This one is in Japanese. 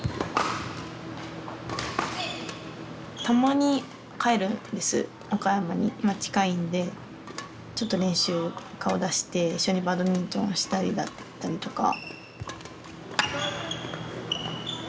たまに帰るんです岡山にまあ近いんでちょっと練習顔出して一緒にバドミントンしたりだったりとか。